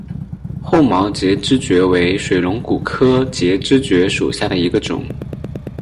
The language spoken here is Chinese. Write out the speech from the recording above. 厚毛节肢蕨为水龙骨科节肢蕨属下的一个种。